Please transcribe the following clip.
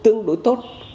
tương đối tốt